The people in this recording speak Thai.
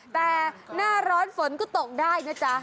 แต่หน้าร้อนฝนก็ตกได้นะจ๊ะ